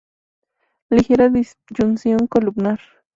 Ligera disyunción columnar.